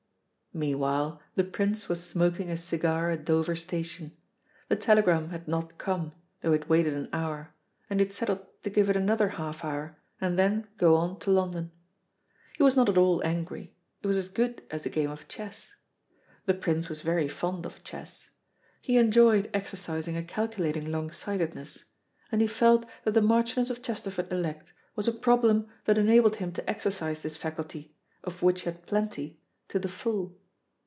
Meanwhile the Prince was smoking a cigar at Dover Station. The telegram had not come, though he had waited an hour, and he had settled to give it another half hour and then go on to London. He was not at all angry; it was as good as a game of chess. The Prince was very fond of chess. He enjoyed exercising a calculating long sightedness, and he felt that the Marchioness of Chesterford elect was a problem that enabled him to exercise this faculty, of which he had plenty, to the full.